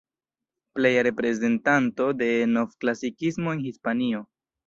Pleja reprezentanto de novklasikismo en Hispanio.